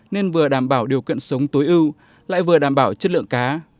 nên vừa đảm bảo điều kiện sống tối ưu lại vừa đảm bảo chất lượng cá